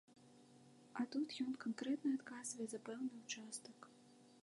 А тут ён канкрэтна адказвае за пэўны ўчастак.